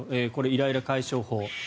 イライラ解消法。